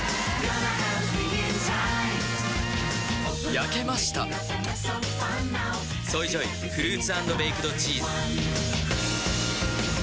焼けました「ＳＯＹＪＯＹフルーツ＆ベイクドチーズ」